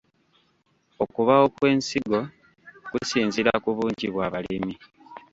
Okubaawo kw’ensigo kusinziira ku bungi bwa balimi.